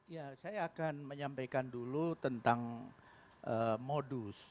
ya saya akan menyampaikan dulu tentang modus